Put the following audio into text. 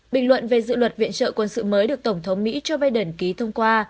bình luận về dự luật viện trợ quân sự mới được tổng thống mỹ joe biden ký thông qua